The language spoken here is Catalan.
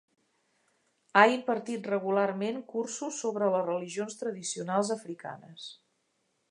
Ha impartit regularment cursos sobre les religions tradicionals africanes.